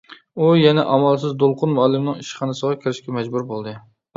ئۇ يەنە ئامالسىز دولقۇن مۇئەللىمنىڭ ئىشخانىسىغا كىرىشكە مەجبۇر بولدى.